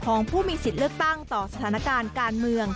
ของผู้มีสิทธิ์เลือกตั้งต่อสถานการณ์การเมือง